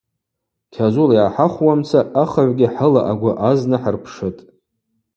Кьазула йгӏахӏахвуамца ахыгӏвгьи хӏыла агвы азна хӏырпшытӏ.